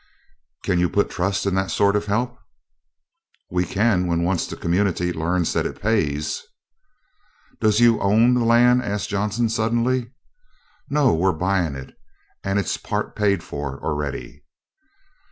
"Can you put trust in that sort of help?" "We can when once the community learns that it pays." "Does you own the land?" asked Johnson suddenly. "No; we're buying it, and it's part paid for already."